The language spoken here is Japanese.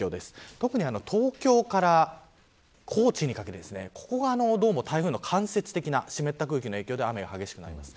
特に東京から高知にかけてここがどうも台風の間接的な湿った空気の影響で雨が激しくなります。